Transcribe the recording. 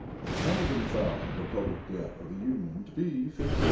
Hamilton found the public debt of the Union to be $54,124,464.